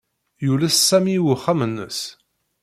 Yules Sami i uxxam-nnes.